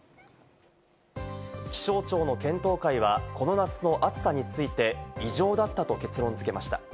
気象庁の検討会は、この夏の暑さについて、異常だったと結論付けました。